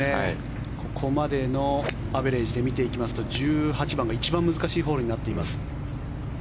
ここまでのアベレージで見ていきますと１８番が一番難しいホールになっています。